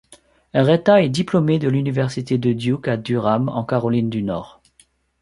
Retta est diplômée de l'Université de Duke à Durham en Caroline du Nord.